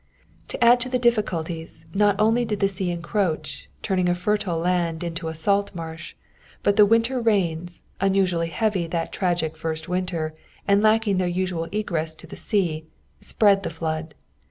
To add to the difficulties, not only did the sea encroach, turning a fertile land into a salt marsh, but the winter rains, unusually heavy that tragic first winter, and lacking their usual egress to the sea, spread the flood.